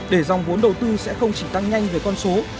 để dòng vốn đầu tư sẽ không chỉ tăng nhanh về con số